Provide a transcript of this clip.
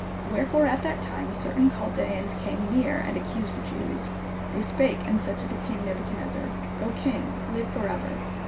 Wherefore at that time certain Chaldeans came near, and accused the Jews. They spake and said to the king Nebuchadnezzar: "O king, Hve for ever.